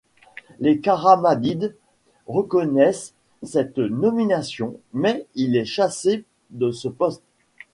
Les Karamanides reconnaissent cette nomination mais il est chassé de ce poste.